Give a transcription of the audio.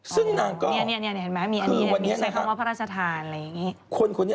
ซึ่งนางก็นี่เห็นไหมมีใส่คำว่าพระราชทานอะไรอย่างนี้